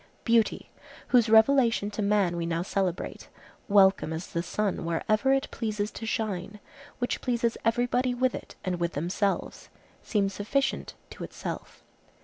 Beauty, whose revelation to man we now celebrate, welcome as the sun wherever it pleases to shine, which pleases everybody with it and with themselves, seems sufficient to itself.